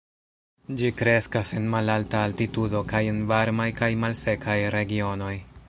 Ĝi kreskas en malalta altitudo kaj en varmaj kaj malsekaj regionoj.